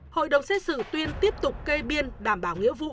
hội đồng xét xử tuyên tiếp tục kê biên đảm bảo nghĩa vụ